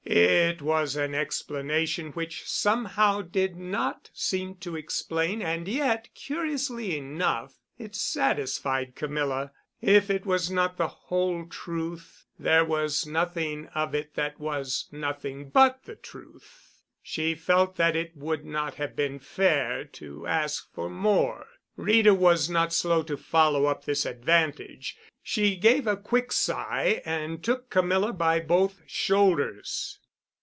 It was an explanation which somehow did not seem to explain, and yet curiously enough it satisfied Camilla. If it was not the whole truth, there was enough of it that was nothing but the truth. She felt that it would not have been fair to ask for more. Rita was not slow to follow up this advantage. She gave a quick sigh, then took Camilla by both shoulders.